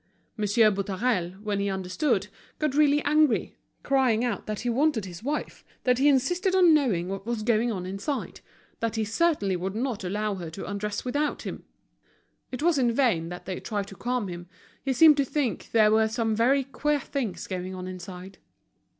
Monsieur Boutarel, when he understood, got really angry, crying out that he wanted his wife, that he insisted on knowing what was going on inside, that he certainly would not allow her to undress without him. It was in vain that they tried to calm him; he seemed to think there were some very queer things going on inside.